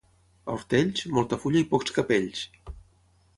A Hortells, molta fulla i pocs capells.